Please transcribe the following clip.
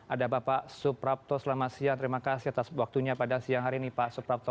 ada bapak suprapto selamat siang terima kasih atas waktunya pada siang hari ini pak suprapto